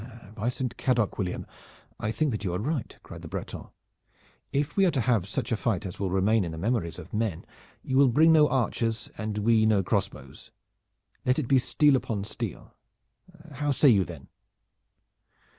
"By Saint Cadoc, William, I think that you are right," cried the Breton. "If we are to have such a fight as will remain in the memories of men, you will bring no archers and we no crossbows. Let it be steel upon steel. How say you then?"